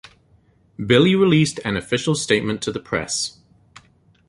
Billy released an official statement to the press.